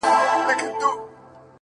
زه سم پء اور کړېږم ستا په محبت شېرينې!!